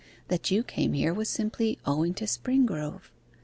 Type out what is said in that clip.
That you came here was simply owing to Springrove.